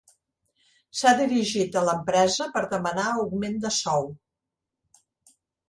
S'ha dirigit a l'empresa per demanar augment de sou.